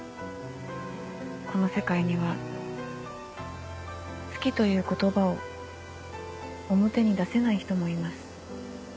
この世界には「好き」という言葉を表に出せない人もいます。